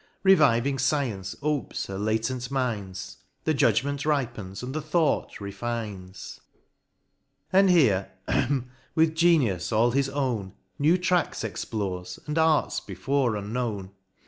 Reviving Science opes her latent mines, The judgment ripens, and the thought refines. And MOUNT PLEASANT. 19 And here with genius all his own, New tracks explores, and arts before unknown.